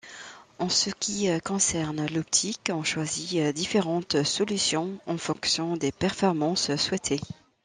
En ce qui concerne l'optique, on choisit différentes solutions en fonction des performances souhaitées.